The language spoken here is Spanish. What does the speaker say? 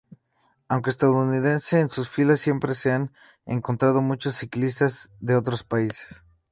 Aunque estadounidense, en sus filas siempre se han encontrado muchos ciclistas de otros países.